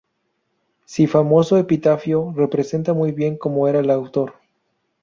Si famoso epitafio representa muy bien cómo era el autor.